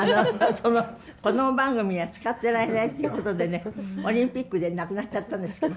そのこども番組には使ってられないってことでねオリンピックでなくなっちゃったんですけど。